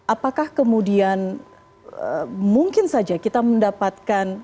apakah kemudian mungkin saja kita mendapatkan